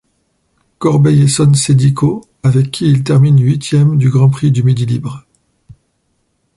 Corbeil-Essonnes-Cedico, avec qui il termine huitième du Grand Prix du Midi libre.